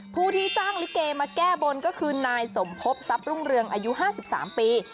ผู้ที่จ้างลิเกมาแก้บนก็คือนายสมพบทรัพย์รุ่งเรืองอายุ๕๓ปี